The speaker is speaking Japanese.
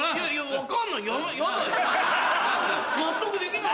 分かんない！